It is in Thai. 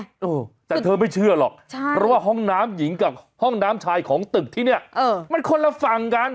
เออแต่เธอไม่เชื่อหรอกใช่เพราะว่าห้องน้ำหญิงกับห้องน้ำชายของตึกที่เนี้ยเออมันคนละฝั่งกัน